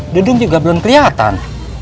dudung juga belum keliatan